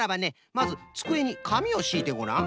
まずつくえにかみをしいてごらん。